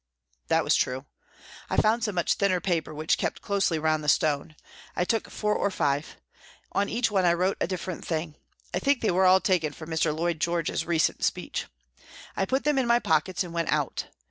That was true. I found some much thinner paper which kept closely round the stone. I took four or five. On each one I wrote a different thing, I think they were all taken from Mr. Lloyd George's recent speech. I put them into my pockets and went out.